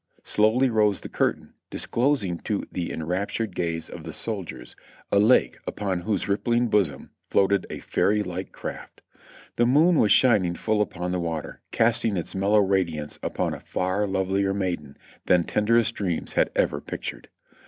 Slowly rose the curtain, disclosing to the enraptured gaze of the soldiers a lake upon whose rippling bosom floated a fairy like craft. The moon was shining full upon the water, casting its mellow radiance upon a far lovelier maiden than tenderest dreams had ever pic tured.